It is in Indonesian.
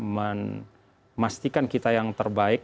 memastikan kita yang terbaik